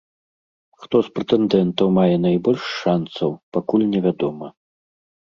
Хто з прэтэндэнтаў мае найбольш шанцаў, пакуль невядома.